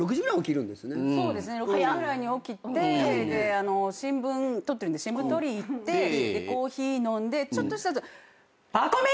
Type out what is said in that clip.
そうですね６時ぐらいに起きて新聞取ってるんで新聞取り行ってコーヒー飲んでちょっとした後パコ美！